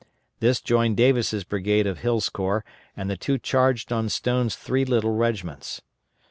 This joined Davis' brigade of Hill's corps, and the two charged on Stone's three little regiments.